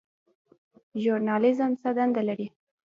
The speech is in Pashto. ژورنالیزم څه دنده لري؟